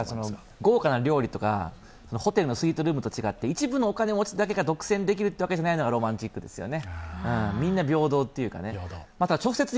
豪華な料理とかホテルのスイートルームと違って、一部のお金持ちだけが独占できるというわけじゃないのがロマンチックですね。